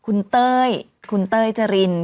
ขออีกทีอ่านอีกที